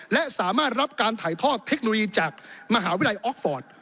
และสามารถรับการถ่ายทอดเทคโนโลยีจากมหาวิทยาลัยออกฟอร์ต